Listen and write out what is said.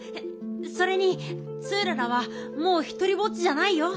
それにツーララはもうひとりぼっちじゃないよ。